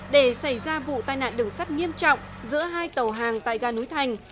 để xảy ra vụ tai nạn đường sắt nghiêm trọng giữa hai tàu hàng tại gà núi thành